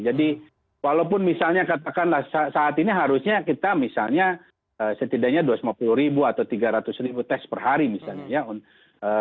jadi walaupun misalnya katakanlah saat ini harusnya kita misalnya setidaknya dua ratus lima puluh ribu atau tiga ratus ribu tes per hari misalnya ya